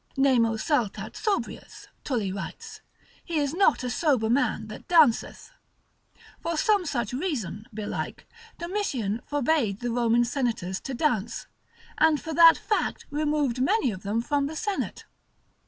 Nemo saltat sobrius, Tully writes, he is not a sober man that danceth; for some such reason (belike) Domitian forbade the Roman senators to dance, and for that fact removed many of them from the senate.